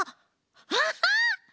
アハッ！